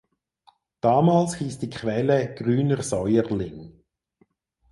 Damals hieß die Quelle "Grüner Säuerling".